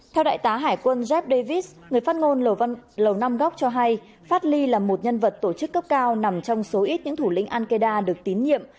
theo đại tá hải quân jeff davis người phát ngôn lầu năm góc cho hay phat lee là một nhân vật tổ chức cấp cao nằm trong số ít những thủ lĩnh an kedai được tín nhiệm